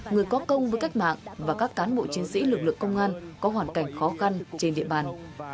người có công với cách mạng và các cán bộ chiến sĩ lực lượng công an có hoàn cảnh khó khăn trên địa bàn